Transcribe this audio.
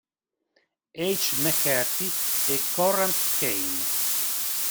H. McCarthy e Conrad Kain.